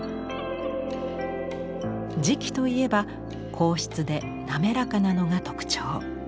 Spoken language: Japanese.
磁器といえば硬質で滑らかなのが特徴。